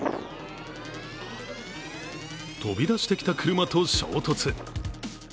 飛び出してきた車と衝突。